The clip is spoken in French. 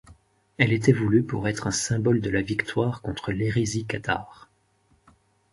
Elle était voulue pour être un symbole de la victoire contre l'hérésie cathare.